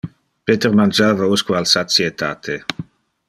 Peter mangiava usque al satietate.